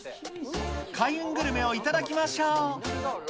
開運グルメを頂きましょう。